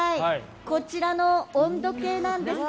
こちらの温度計なんですが。